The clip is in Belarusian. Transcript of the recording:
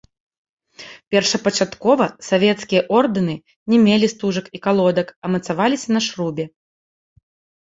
Першапачаткова савецкія ордэны не мелі стужак і калодак, а мацаваліся на шрубе.